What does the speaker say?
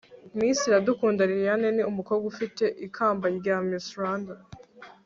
miss iradukunda liliane ni umukobwa ufite ikamba rya miss rwanda